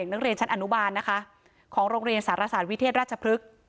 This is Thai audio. ของนางนงเรียนชั้นอนุบาลนะคะของโรงเรียนศาสตรศาสตรวิเธภราชพฤษ